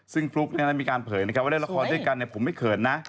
ซึ่งฟลุ๊กมีการเผยว่าเล่นละครด้วยกันผมไม่เขินนะ